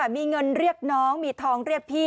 มีเงินเรียกน้องมีทองเรียกพี่